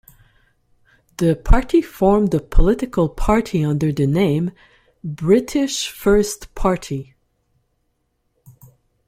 The party formed a political party under the name British First Party.